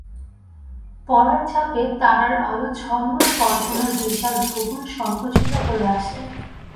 পড়ার চাপে তারার আলো ঝলমল কল্পনার বিশাল ভুবন সংকুচিত হয়ে আসে।